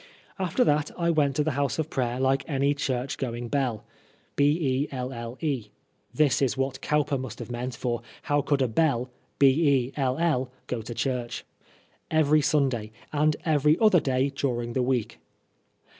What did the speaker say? After that I went to the house of prayer like any church going belle (this is what Cowper must have meant, for how could Koell go to church ?) every Sunday, and every other day during the week.